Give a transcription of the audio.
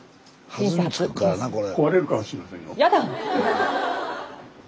弾みつくからなこれ。